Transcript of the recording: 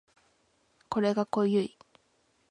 これが濃い